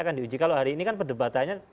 akan diuji kalau hari ini kan perdebatannya